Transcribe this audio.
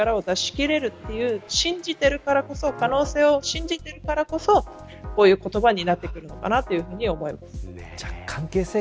こういう場でも力を出し切れるという信じているからこそ可能性を信じているからこそこういう言葉になっているのかなと思います。